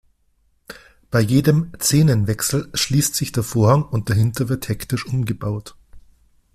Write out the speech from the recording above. Bei jedem Szenenwechsel schließt sich der Vorhang und dahinter wird hektisch umgebaut.